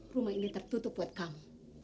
rumah ini tertutup buat kami